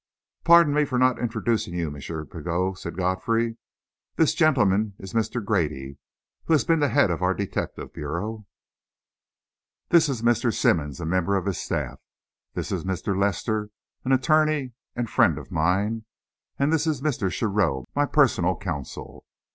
"Pardon me for not introducing you, M. Pigot," said Godfrey. "This gentleman is Mr. Grady, who has been the head of our detective bureau; this is Mr. Simmonds, a member of his staff; this is Mr. Lester, an attorney and friend of mine; and this is Mr. Shearrow, my personal counsel.